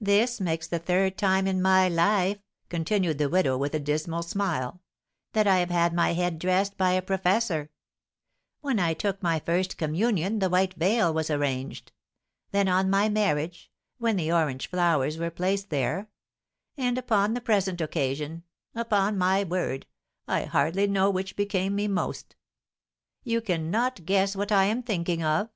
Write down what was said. "This makes the third time in my life," continued the widow, with a dismal smile, "that I have had my head dressed by a professor: when I took my first communion the white veil was arranged; then on my marriage, when the orange flowers were placed there; and upon the present occasion; upon my word, I hardly know which became me most. You cannot guess what I am thinking of?"